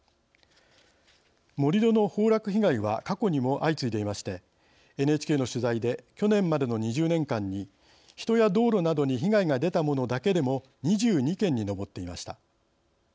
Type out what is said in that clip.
盛り土の崩落被害は過去にも相次いでいましてＮＨＫの取材で去年までの２０年間に人や道路などに被害が出たものだけでも２２件に上っていました。